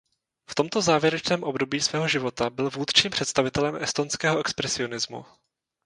V tomto závěrečném období svého života byl vůdčím představitelem estonského expresionismu.